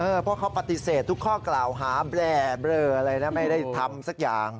เพราะเขาปฏิเสธทุกข้อกล่าวหาเบลออะไรนะไม่ได้ทำสักอย่าง